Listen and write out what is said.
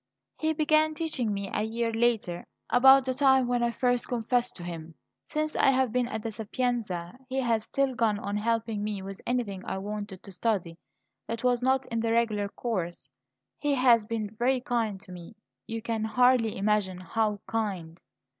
"He began teaching me a year later, about the time when I first confessed to him. Since I have been at the Sapienza he has still gone on helping me with anything I wanted to study that was not in the regular course. He has been very kind to me you can hardly imagine how kind."